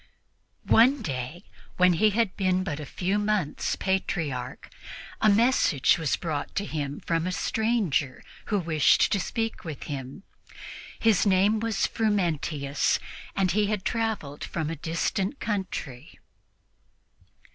One day, when he had been but a few months Patriarch, a message was brought to him from a stranger who wished to speak with him. His name was Frumentius, and he had traveled from a distant country.